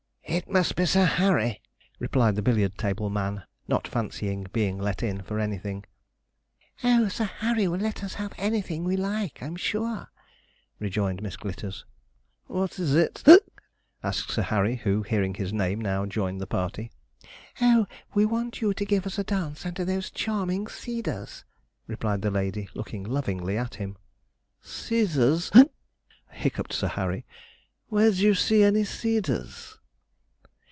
'It must be Sir Harry,' replied the billiard table man, not fancying being 'let in' for anything. 'Oh! Sir Harry will let us have anything we like, I'm sure,' rejoined Miss Glitters. 'What is it?' asked Sir Harry, who, hearing his name, now joined the party. 'Oh, we want you to give us a dance under those charming cedars,' replied the lady, looking lovingly at him. 'Cedars!' hiccuped Sir Harry, 'where do you see any cedars?'